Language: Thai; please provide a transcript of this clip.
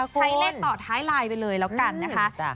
ใช้เลขต่อท้ายไลน์ไปเลยแล้วกันนะคะ